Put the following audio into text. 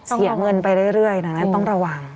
เสียเงินไปเรื่อยดังนั้นต้องระวัง